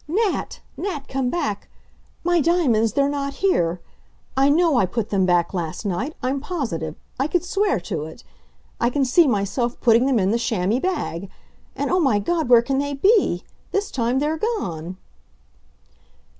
"Nat Nat come back! My diamonds they're not here. I know I put them back last night I'm positive. I could swear to it. I can see myself putting them in the chamois bag, and O my God, where can they be! This time they're gone!"